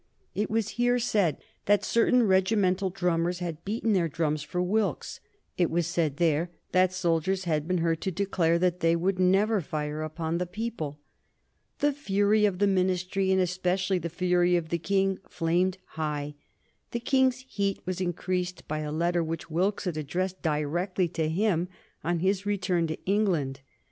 It was said here that certain regimental drummers had beaten their drums for Wilkes; it was said there that soldiers had been heard to declare that they would never fire upon the people. The fury of the Ministry, and especially the fury of the King, flamed high. The King's heat was increased by a letter which Wilkes had addressed directly to him on his return to England.